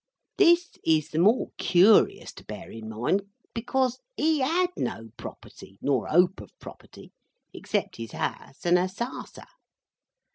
This is the more curious to bear in mind, because HE had no property, nor hope of property, except his house and a sarser.